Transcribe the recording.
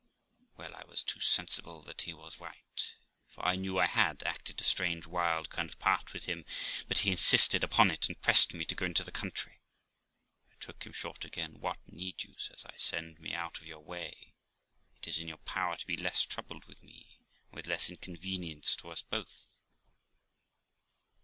Well, I was too sensible that he was right, for I knew I had acted a strange, wild kind of part with him; but he insisted upon it, and pressed me to go into the country. I took him short again. 'What need you', says I, 'send me out of your way? It is in your power to be less troubled with me, and with less inconvenience to us both.'